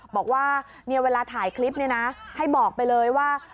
บอกว่าเวลาถ่ายคลิปเนี่ยนะให้บอกไปเลยว่า